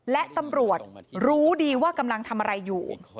และตำรวจรู้ดีว่ากำลังทำอะไรอยู่